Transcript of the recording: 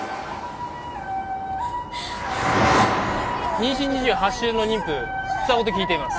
妊娠２８週の妊婦双子と聞いています